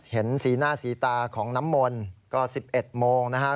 เห็นสีหน้าสีตาของน้ำมนต์ก็๑๑โมงนะฮะ